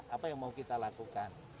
apa yang mau kita lakukan